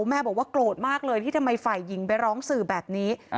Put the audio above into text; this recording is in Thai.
แม่บอกว่าโกรธมากเลยที่ทำไมฝ่ายหญิงไปร้องสื่อแบบนี้